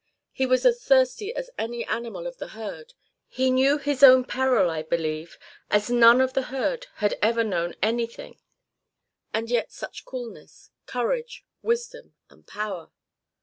He was as thirsty as any animal of the herd; he knew his own peril, I believe, as none of the herd had ever known anything; and yet, such coolness, courage, wisdom, and power!